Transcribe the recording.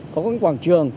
có những quảng trường